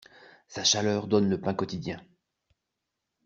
Sa chaleur donne le pain quotidien.